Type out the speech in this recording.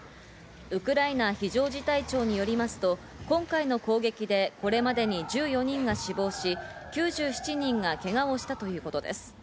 ウクライナ非常事態庁によりますと、今回の攻撃でこれまでに１４人が死亡し、９７人がけがをしたということです。